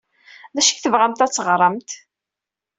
D acu i tebɣamt ad teɣṛemt?